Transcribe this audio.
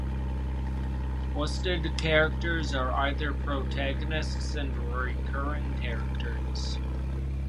Listed characters are either protagonists and recurring characters.